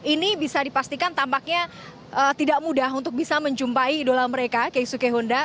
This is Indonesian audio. ini bisa dipastikan tampaknya tidak mudah untuk bisa menjumpai idola mereka keisuke honda